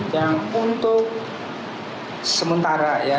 yang untuk sementara ya